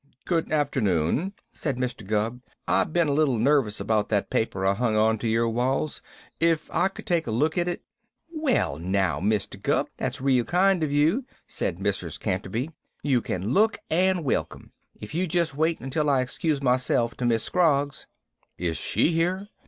"Good afternoon," said Mr. Gubb. "I been a little nervous about that paper I hung onto your walls. If I could take a look at it " "Well, now, Mr. Gubb, that's real kind of you," said Mrs. Canterby. "You can look and welcome. If you just wait until I excuse myself to Miss Scroggs " "Is she here?"